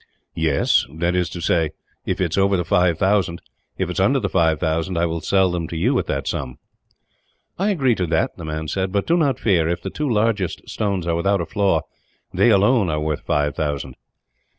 "Yes; that is to say, if it is over the five thousand. If it is under the five thousand, I will sell them to you at that sum." "I agree to that," the man said. "But do not fear; if the two largest stones are without a flaw, they alone are worth five thousand."